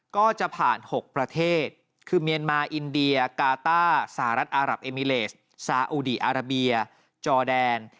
ก็จะผ่าน๖ประเทศคือเมียนมาอินเดียกาต้าสหรัฐอารับเอมิเลสซาอุดีอาราเบียจอแดน